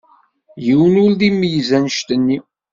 Yiwen ur d-imeyyez annect-nni.